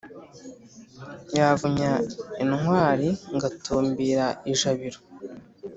yavunya intwari ngatumbira i jabiro.